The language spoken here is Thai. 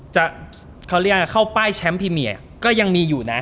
จะเข้าป้ายแชมป์พรีเมียก็ยังมีอยู่นะ